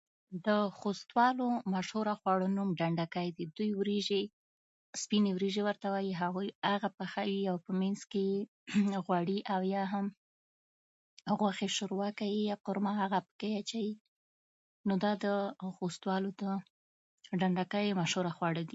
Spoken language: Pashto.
د خوستوالو مشهوره خواړه نوم ډنډکی دی دوی وريژې سپینې وريژې ورته وايي هغه پخيي او په مېنځ کې یې غوړي یا هم غوښې شوروا کوي یا قورمه هغه پکې اچيي نو دا د خوستوالو د ډنډکی مشهوره خواړه دي